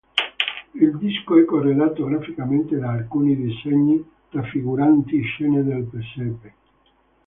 Il disco è corredato graficamente da alcuni disegni raffiguranti scene del presepe.